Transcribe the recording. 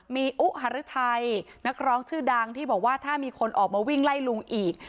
มีอุหารือไทยนักร้องชื่อดังที่บอกว่าถ้ามีคนออกมาวิ่งไล่ลุงอีก